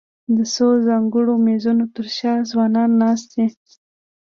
د څو ځانګړو مېزونو تر شا ځوانان ناست دي.